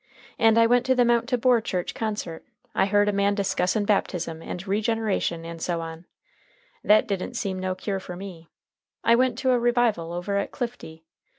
And I went to the Mount Tabor church concert. I heard a man discussin' baptism, and regeneration, and so on. That didn't seem no cure for me, I went to a revival over at Clifty.